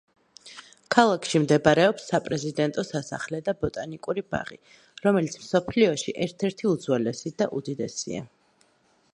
ქალაქში მდებარეობს საპრეზიდენტო სასახლე და ბოტანიკური ბაღი, რომელიც მსოფლიოში ერთ–ერთი უძველესი და უდიდესია.